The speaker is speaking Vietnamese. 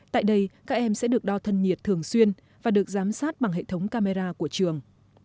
tại đây các em sẽ được đo thân nhiệt thường xuyên và được giám sát bằng hệ thống camera của trường